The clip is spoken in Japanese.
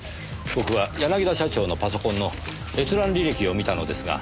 僕は柳田社長のパソコンの閲覧履歴を見たのですが。